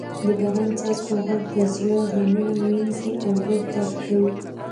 د باران د څاڅکو غږ د زړه غمونه وینځي او روح تازه کوي.